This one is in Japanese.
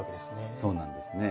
そうなんですね。